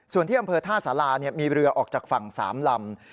ส่วนที่อำเภอท่าสารามีเรือออกจากฝั่ง๓ลำ